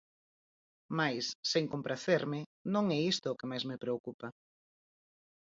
Mais, sen compracerme, non é isto o que mais me preocupa.